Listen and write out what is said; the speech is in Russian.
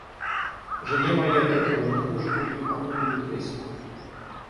Жене моей от этого не хуже будет, а мне будет весело.